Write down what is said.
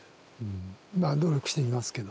まあ努力してみますけど。